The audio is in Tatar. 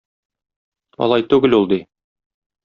Алай түгел ул, ди.